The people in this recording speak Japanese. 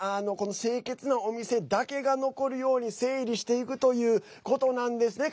清潔なお店だけが残るように整理していくということなんですね。